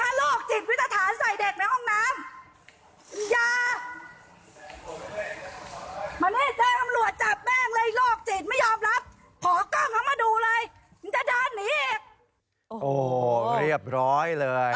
มันจะดันหนีอีกโอ้โหเรียบร้อยเลย